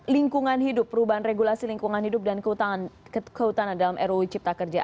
lingkungan hidup perubahan regulasi lingkungan hidup dan kehutanan dalam ruu cipta kerja